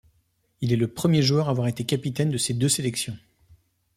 Il est le premier joueur à avoir été capitaine de ces deux sélections.